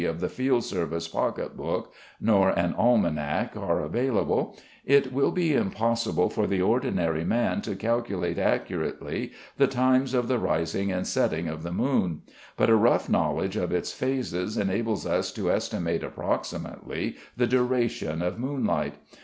of the Field Service Pocket Book, nor an Almanac are available, it will be impossible for the ordinary man to calculate accurately the times of the rising and setting of the moon, but a rough knowledge of its phases enables us to estimate approximately the duration of moonlight.